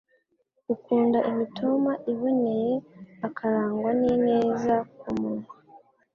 Ukunda imitima iboneye akarangwa n’ineza ku munwa